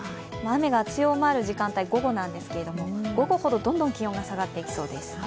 雨が強まる時間帯午後なんですけれども午後ほど、どんどん気温が下がっていきそうです。